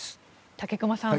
武隈さん